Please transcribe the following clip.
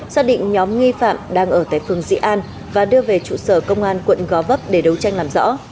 xác định nhóm nghi phạm đang ở tại phường dị an và đưa về trụ sở công an quận gò vấp để đấu tranh làm rõ